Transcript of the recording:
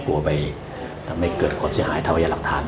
กลัวไปทำให้เกิดความเสียหายทำพยาหลักฐาน